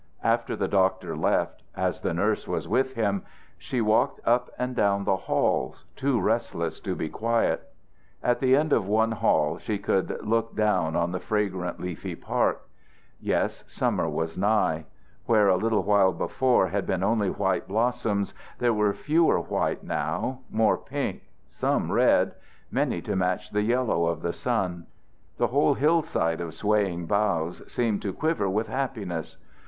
After the doctor left, as the nurse was with him, she walked up and down the halls, too restless to be quiet. At the end of one hall she could look down on the fragrant leafy park. Yes, summer was nigh. Where a little while before had been only white blossoms, there were fewer white now, more pink, some red, many to match the yellow of the sun. The whole hillside of swaying; boughs seemed to quiver with happiness.